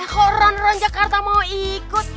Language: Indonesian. kok round round jakarta mau ikut